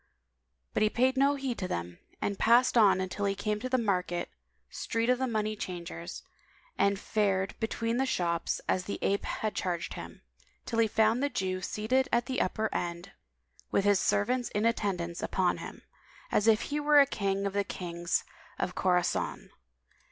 But he paid no heed to them and passed on till he came to the market street of the money changers and fared between the shops, as the ape had charged him, till he found the Jew seated at the upper end, with his servants in attendance upon him, as he were a King of the Kings of Khorason.